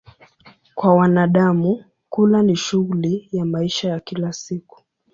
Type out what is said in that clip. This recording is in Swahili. Kwa wanadamu, kula ni shughuli ya maisha ya kila siku.